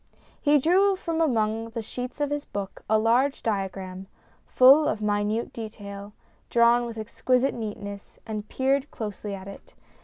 He drew from among the sheets of his book a large diagram, full of minute detail, drawn with exquisite neatness, and peered closely at it.